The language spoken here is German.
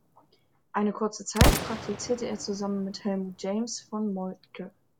Eine kurze Zeit praktizierte er zusammen mit Helmuth James von Moltke.